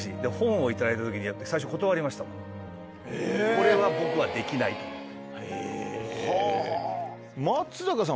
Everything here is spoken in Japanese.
これは僕はできないと思って。